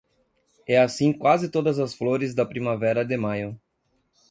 É assim quase todas as flores da primavera de maio.